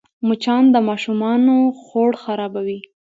مچان د ماشومانو خوړ خرابوي